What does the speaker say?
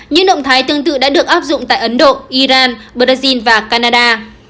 những động thái tương tự đã được áp dụng tại ấn độ iran brazil và canada